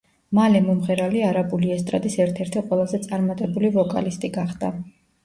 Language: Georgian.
მალე მომღერალი არაბული ესტრადის ერთ-ერთი ყველაზე წარმატებული ვოკალისტი გახდა.